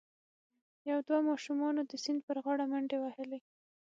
یو دوه ماشومانو د سیند پر غاړه منډې وهلي.